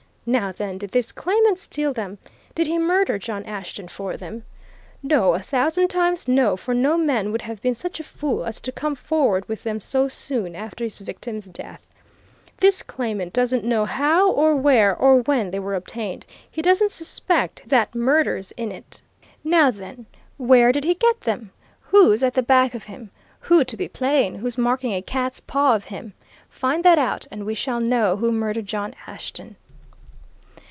Now, then, did this claimant steal them? Did he murder John Ashton for them? No a thousand times no, for no man would have been such a fool as to come forward with them so soon after his victim's death! This claimant doesn't know how or where or when they were obtained he doesn't suspect that murder's in it. Now, then where did he get them? Who's at the back of him? Who to be plain who's making a cat's paw of him? Find that out, and we shall know who murdered John Ashton!"